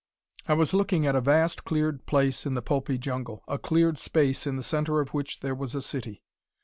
I was looking at a vast cleared place in the pulpy jungle a cleared space in the center of which there was a city.